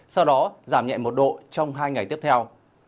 sau đó giảm nhẹ một độ trong hai ngày tiếp theo